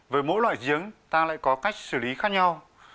với mỗi loại giếng ta lại có cách xử lý khác nhau